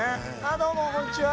どうもこんにちは。